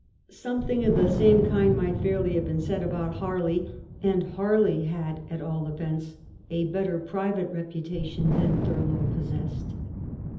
Something of the same kind might fairly have been said about Harley, and Harley had, at all events, a better private reputation than Thurlow possessed.